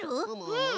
うん。